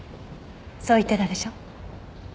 そう言ってたでしょ？